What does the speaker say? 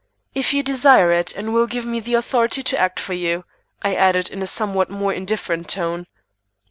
"If you desire it and will give me the authority to act for you," I added in a somewhat more indifferent tone.